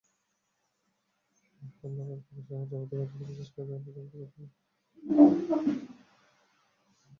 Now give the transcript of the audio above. হালনাগাদ করাসহ যাবতীয় প্রক্রিয়া শেষ করতে নতুন একটা কার্যালয় করতে হবে।